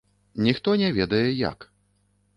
Ніхто не ведае як.